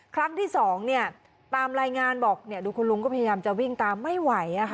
ครั้งที่๒ตามรายงานบอกดูคุณลุงก็พยายามจะวิ่งตามไม่ไหว